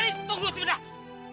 rani tunggu sebentar